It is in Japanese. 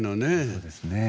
そうですねえ。